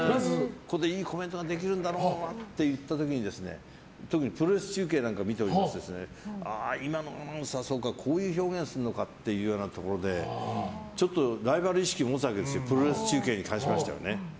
ここで、いいコメントができるんだろうなっていう時に特にプロレス中継とか見ていますと今のアナウンサー、そうかこういう表現するのかというようなところでちょっとライバル意識を持つわけですプロレス中継に関しましてはね。